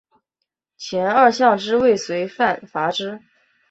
前二项之未遂犯罚之。